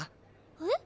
えっ？